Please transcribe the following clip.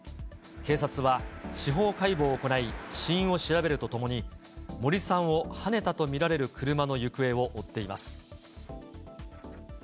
警察は司法解剖を行い、死因を調べるとともに、森さんをはねたと見られる車の行方を追っています。